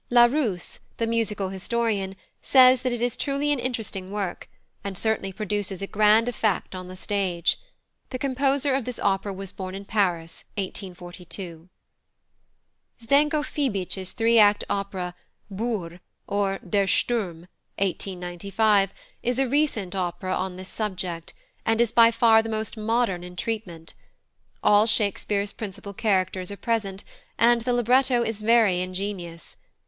Larousse, the musical historian, says that it is a truly interesting work, and certainly produces a grand effect on the stage. The composer of this opera was born in Paris, 1842. +Zdenko Fibich's+ three act opera, Boûre, or Der Sturm (1895), is a recent opera on this subject, and is by far the most modern in treatment. All Shakespeare's principal characters are present, and the libretto is very ingenious.